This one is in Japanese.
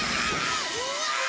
うわ！